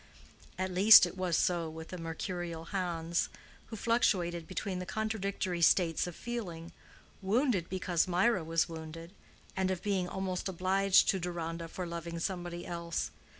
At least it was so with the mercurial Hans, who fluctuated between the contradictory states of feeling, wounded because Mirah was wounded, and of being almost obliged to Deronda for loving somebody else.